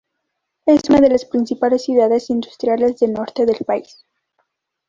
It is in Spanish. Es una de las principales ciudades industriales del norte del país.